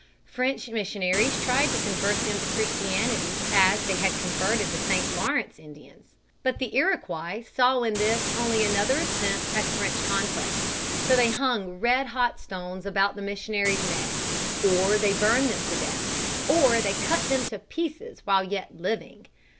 French missionaries tried to convert them to Christianity as they had converted the St. Lawrence Indians. But the Iroquois saw in this only another attempt at French conquest. So they hung red hot stones about the missionaries' necks, or they burned them to death, or they cut them to pieces while yet living.